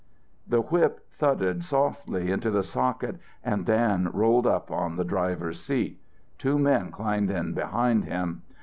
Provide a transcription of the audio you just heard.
The whip thudded softly into the socket and Dan rolled up on the driver's seat. Two men climbed in behind him.